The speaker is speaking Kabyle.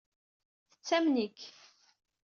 Tettamen-ik.